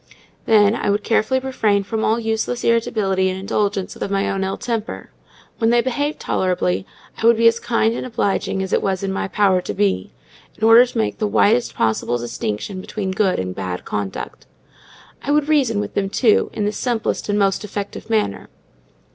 Then, I would carefully refrain from all useless irritability and indulgence of my own ill temper: when they behaved tolerably, I would be as kind and obliging as it was in my power to be, in order to make the widest possible distinction between good and bad conduct; I would reason with them, too, in the simplest and most effective manner.